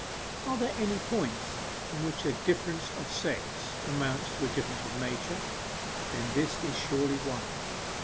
Are there any points in which a difference of sex amounts to a difference of nature? Then this is surely one.